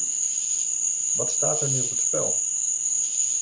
Wat staat er nu op het spel?